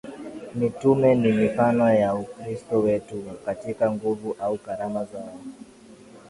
Mitume ni mifano ya Ukristo wetu katika nguvu au karama zao